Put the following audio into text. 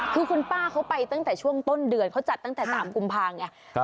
คือคุณป้าเขาไปตั้งแต่ช่วงต้นเดือนเขาจัดตั้งแต่๓กุมภาไง